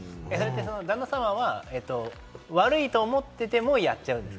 旦那様は悪いと思っててもやっちゃうんですか？